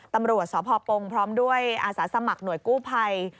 ตำรวจสพปงพร้อมด้วยอาสาสมัครหน่วยกู้ภัย